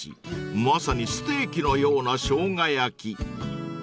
［まさにステーキのような生姜焼き］